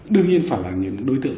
đương nhiên phải là những đối tượng